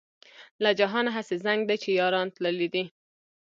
له جهانه هسې زنګ دی چې یاران تللي دي.